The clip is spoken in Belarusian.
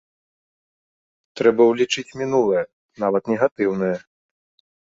Трэба ўлічыць мінулае, нават негатыўнае.